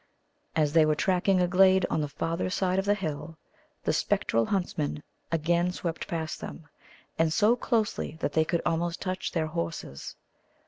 As they were tracking a glade on the farther side of the hill, the spectral huntsmen again swept past them, and so closely that they could almost touch their horses.